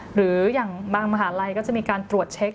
หรืออย่างบางมหาลัยก็จะมีการตรวจเช็ค